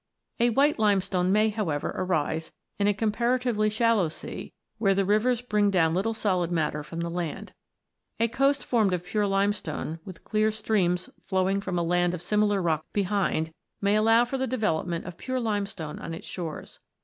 A white limestone may, however, arise in a compara tively shallow sea, where the rivers bring down little solid matter from the land. A coast formed of pure limestone, with clear streams flowing from a land of similar rock behind, may allow of the development of pure limestone on its shores.